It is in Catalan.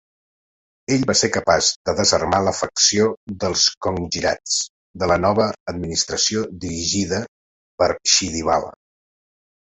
Ell va ser capaç de desarmar la facció dels qongirats de la nova administració dirigida per Shidibala.